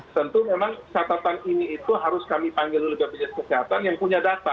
tentu memang catatan ini itu harus kami panggil oleh bpjs kesehatan yang punya data